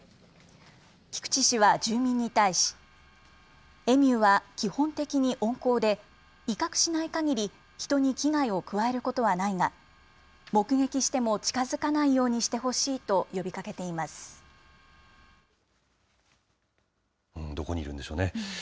菊池市は住民に対し、エミューは基本的に温厚で、威嚇しないかぎり、人に危害を加えることはないが、目撃しても近づかないようにしてどこにいるんでしょうね。